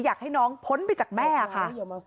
อยากให้น้องพ้นไปจากแม่ค่ะ